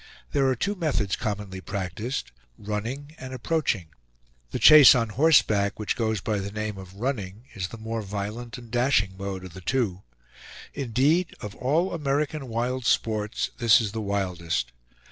There are two methods commonly practiced, "running" and "approaching." The chase on horseback, which goes by the name of "running," is the more violent and dashing mode of the two. Indeed, of all American wild sports, this is the wildest.